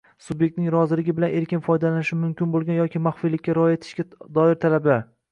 Subyektning roziligi bilan erkin foydalanilishi mumkin bo‘lgan yoki maxfiylikka rioya etishga doir talablar